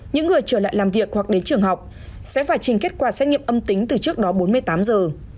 những người trở lại làm việc hoặc đến trường học sẽ phải trình kết quả xét nghiệm âm tính từ trước đó bốn mươi tám giờ